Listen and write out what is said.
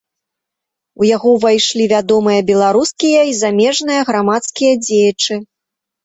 У яго ўвайшлі вядомыя беларускія і замежныя грамадскія дзеячы.